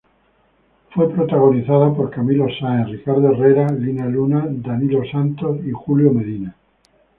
Fue protagonizada por Camilo Sáenz, Ricardo Herrera, Lina Luna, Danilo Santos y Julio Medina.